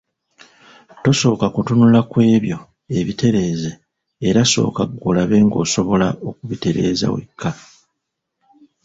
Tosooka kutunula ku ebyo ebitereeze era sooka ggwe olabe ng’osobola okubitereeza wekka.